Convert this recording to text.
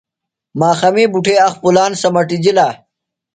ماخمی بُٹھے اخپُلان سمَٹِجِلہ۔